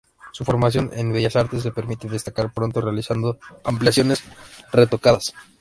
Su formación en Bellas Artes le permite destacar pronto realizando ampliaciones retocadas.